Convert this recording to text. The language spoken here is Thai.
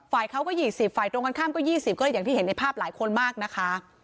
ฝ่ายเขาก็ยี่สิบฝ่ายตรงกันข้ามก็ยี่สิบก็อย่างที่เห็นในภาพหลายคนมากนะคะ